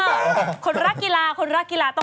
คนรักกีฬาคนรักกีฬาต้อง